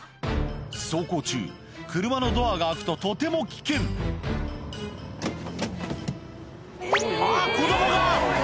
走行中車のドアが開くととても危険あっ子供が！